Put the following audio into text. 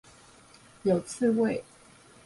有刺蝟